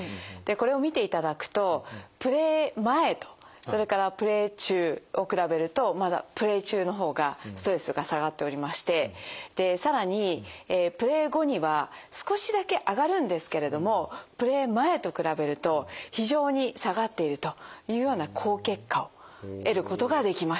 これを見ていただくとプレー前とそれからプレー中を比べるとまだプレー中の方がストレスが下がっておりましてでさらにプレー後には少しだけ上がるんですけれどもプレー前と比べると非常に下がっているというような好結果を得ることができました。